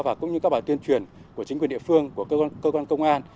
và cũng như các bài tuyên truyền của chính quyền địa phương của cơ quan công an